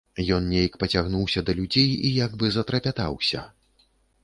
Ён нейк пацягнуўся да людзей і як бы затрапятаўся.